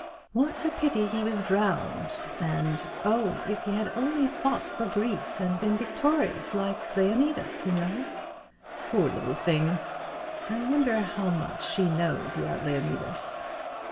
'What a pity he was drowned!' and 'Oh, if he had only fought for Greece, and been victorious, like Leonidas, you know,' poor little thing! I wonder how much she knows about Leonidas?